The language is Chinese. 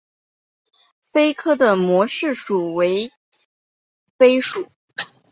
鲱科的模式属为鲱属。